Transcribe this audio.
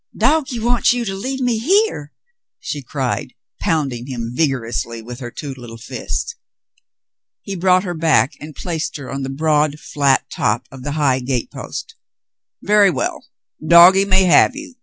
"Doggie wants you to leave me here," she cried, pound ing him vigorously with her two little fists. He brought her back and placed her on the broad, flat top of the high gate post. "Very well, doggie may have you.